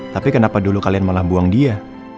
tapi kenapa dulu kalian malah buang dia